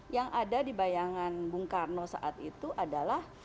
yang ada di bayangan bung karno saat itu adalah